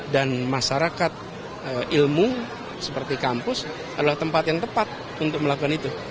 dan masyarakat ilmu seperti kampus adalah tempat yang tepat untuk melakukan itu